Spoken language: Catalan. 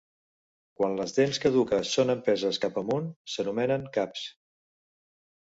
Quan les dents caduques són empeses cap amunt, s'anomenen "caps".